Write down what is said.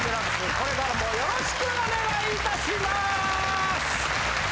これからもよろしくお願い致します。